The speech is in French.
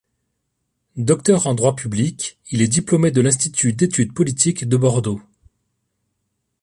Docteur en droit public, il est diplômé de l’Institut d’études politiques de Bordeaux.